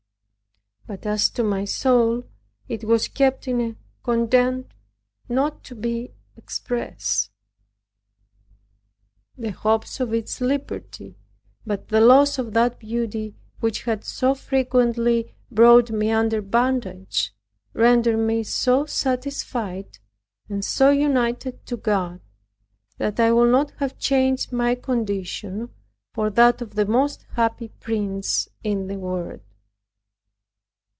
But as to my soul, it was kept in a contentment not to be expressed. The hopes of its liberty, by the loss of that beauty, which had so frequently brought me under bondage, rendered me so satisfied, and so united to God, that I would not have changed my condition for that of the most happy prince in the world.